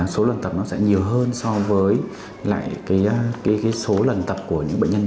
số lần tập nó sẽ nhiều hơn so với lại số lần tập của những bệnh nhân